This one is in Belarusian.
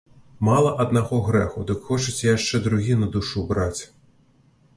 Мала аднаго грэху, дык хочаце яшчэ другі на душу браць!